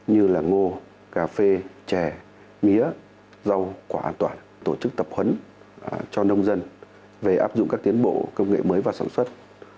như ngô cà phê chè mía rau quả toàn tổ chức tập huấn cho nông dân về áp dụng các tiến bộ công nghệ mới và sản xuất